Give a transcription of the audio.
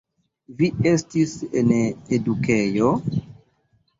Vi estis en edukejo?